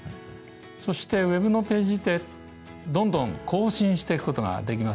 そしてＷｅｂのページってどんどん更新していくことができますよね。